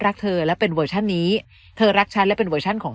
รักเธอและเป็นเวอร์ชันนี้เธอรักฉันและเป็นเวอร์ชันของ